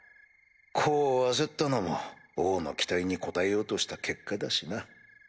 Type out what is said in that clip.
功を焦ったのも王の期待に応えようとした結果だしな。